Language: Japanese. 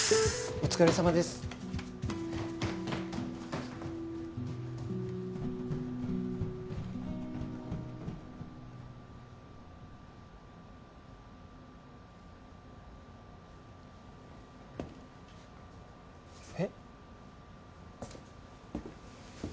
お疲れさまですえっ？